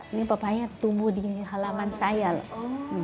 ini papanya tumbuh di halaman saya loh